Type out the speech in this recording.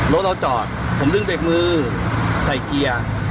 รถเราจอดผมดึงเบรกมือใส่เกียร์